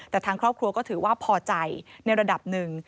แต่ทางครอบครัวก็ถือว่าพอใจในระดับหนึ่ง